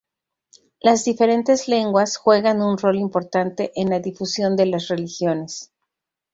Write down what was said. Las diferentes "lenguas" juegan un rol importante en la difusión de las religiones.